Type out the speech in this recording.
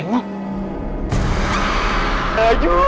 yuhuu gak ada dia